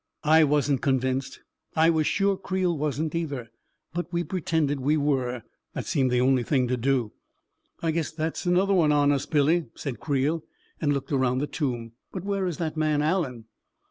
I wasn't convinced; I was sure Creel wasn't, either. But we pretended we were — that seemed the only thing to do. " I guess that's another one on us, Billy," said Creel, and looked around the tomb. " But where is that man Allen